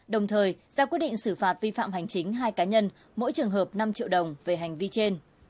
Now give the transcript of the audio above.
đồng thời ra quyết định xử phạt vi phạm hành chính hai cá nhân mỗi trường hợp năm triệu đồng về hành vi trên